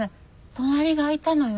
隣が空いたのよ。